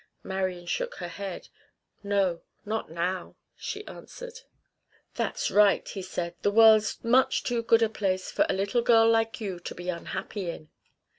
Marian shook her head. "No, not now," she answered. "That's right," he said. "The world's much too good a place for a little girl like you to be unhappy in."